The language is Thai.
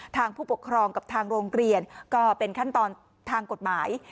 ผู้ปกครองกับทางโรงเรียนก็เป็นขั้นตอนทางกฎหมาย